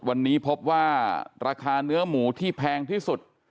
วันนี้พบว่าราคาเนื้อหมูที่แพงที่สุด